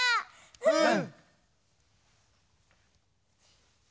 うん！